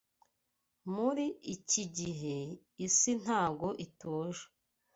Muri iki gihe, isi ntago ituje